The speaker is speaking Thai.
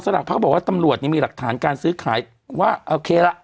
หลักพักบอกว่าตำรวจนี่มีหลักฐานการซื้อขายว่าโอเคละ